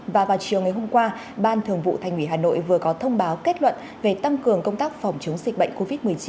và vào chiều ngày hôm qua ban thường vụ thành ủy hà nội vừa có thông báo kết luận về tăng cường công tác phòng chống dịch bệnh covid một mươi chín trên địa bàn thành phố